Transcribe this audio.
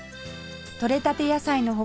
とれたて野菜の他